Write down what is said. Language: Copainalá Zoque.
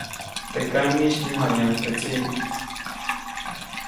Te kaʼŋis nyäjabyaʼuŋ teʼ tsiʼ.